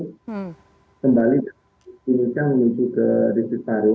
yang kembali ke timika menuju ke distrik parung